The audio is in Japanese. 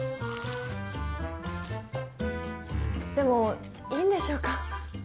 でもいいんでしょうか？